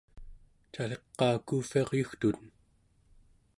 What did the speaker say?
cali-qaa kuuvviaryugtuten?